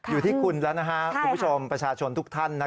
อยู่ที่คุณแล้วคุณผู้ชมประชาชนทุกท่าน